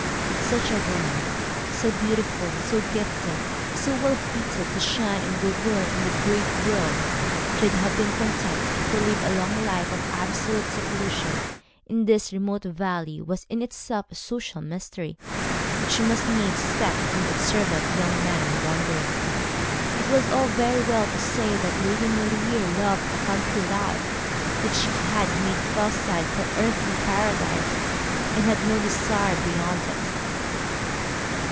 That such a woman, so beautiful, so gifted, so well fitted to shine and govern in the great world, should have been content to live a long life of absolute seclusion in this remote valley was in itself a social mystery which must needs set an observant young man wondering. It was all very well to say that Lady Maulevrier loved a country life, that she had made Fellside her earthly Paradise, and had no desire beyond it.